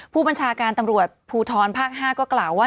ผู้บัญชาการตำรวจภูทรภาค๕ก็กล่าวว่า